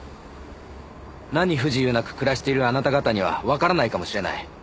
何不自由なく暮らしているあなた方にはわからないかもしれない。